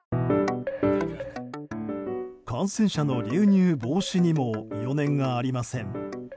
感染者の流入防止にも余念がありません。